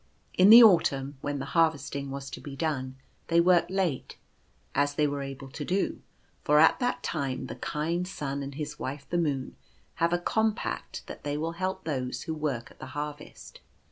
In the autumn, when the harvesting was to be done, they worked late, as they were able to do ; for at that time the kind Sun and his wife the Moon have a compact that they will help those who work at the harvest.